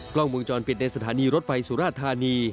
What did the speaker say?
กล้องวงจรปิดในสถานีรถไฟสุราธานี